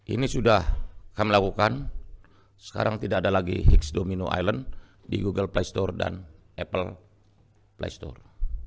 ini sudah kami lakukan sekarang tidak ada lagi high domino island di google play store dan apple play store